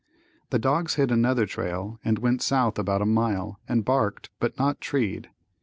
The dogs hit another trail and went south about a mile and barked but not treed.